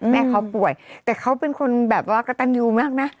แม่เขาป่วยแต่เขาเป็นคนแบบว่ากระตันยูมากนะ